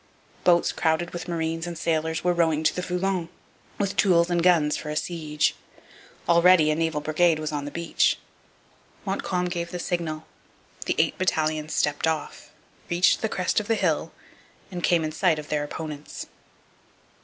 Boats crowded with marines and sailors were rowing to the Foulon, with tools and guns for a siege. Already a naval brigade was on the beach. Montcalm gave the signal, the eight battalions stepped off, reached the crest of the hill, and came in sight of their opponents.